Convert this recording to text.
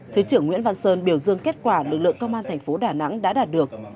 thứ trưởng nguyễn văn sơn biểu dương kết quả lực lượng công an thành phố đà nẵng đã đạt được